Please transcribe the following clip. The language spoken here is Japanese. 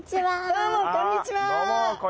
どうもこんにちは。